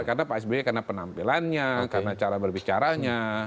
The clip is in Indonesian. karena pak sby karena penampilannya karena cara berbicaranya